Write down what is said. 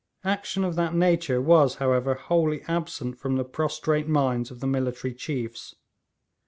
Action of that nature was, however, wholly absent from the prostrate minds of the military chiefs.